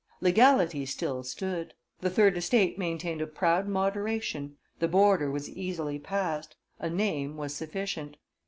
Legality still stood; the third estate maintained a proud moderation, the border was easily passed, a name was sufficient.